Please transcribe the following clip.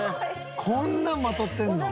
こんなんまとってるの？